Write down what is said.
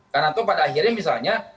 karena itu pada akhirnya misalnya